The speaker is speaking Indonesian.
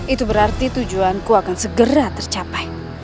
itu berarti tujuanku akan segera tercapai